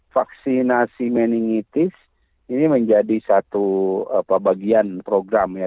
vaksinasi meningitis ini menjadi satu bagian program ya